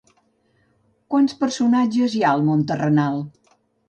Quants personatges hi ha al món terrenal?